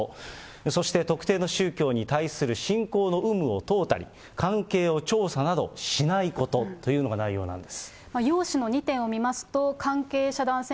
そして特定の宗教に対する信仰の有無を問うたり、関係を調査などしないことというのが内容なんです。